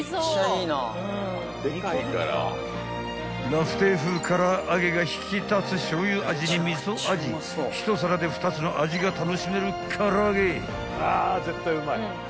［ラフテー風空上げが引き立つしょうゆ味に味噌味１皿で２つの味が楽しめる空上げ］